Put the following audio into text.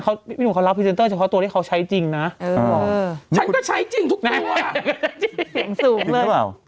เขาพี่หนูเขารับพรีเจนเตอร์เฉพาะตัวที่เขาใช้จริงน่ะเออใช้จริงทุกตัว